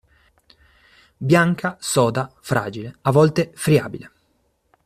Bianca, soda, fragile, a volte friabile.